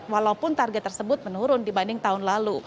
walaupun target tersebut menurun dibanding tahun lalu